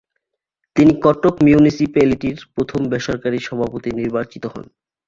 তিনি কটক মিউনিসিপ্যালিটির প্রথম বেসরকারি সভাপতি নির্বাচিত হন।